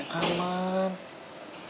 itu memang ribuan